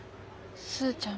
スーちゃん